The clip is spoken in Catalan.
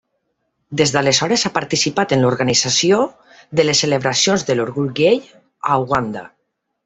Des d'aleshores ha participat en l'organització de les celebracions de l'orgull gai a Uganda.